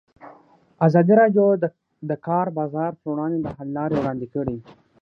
ازادي راډیو د د کار بازار پر وړاندې د حل لارې وړاندې کړي.